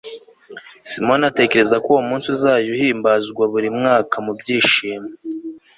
simoni ategeka ko uwo munsi uzajya uhimbazwa buri mwaka mu byishimo